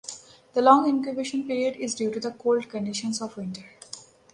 The long incubation period is due to the cold conditions of winter.